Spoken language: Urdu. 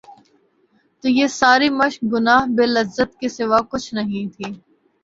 تو یہ ساری مشق گناہ بے لذت کے سوا کچھ نہیں تھی۔